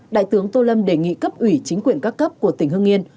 đại tướng tô lâm đề nghị cấp ủy chính quyền các cấp của tỉnh hưng yên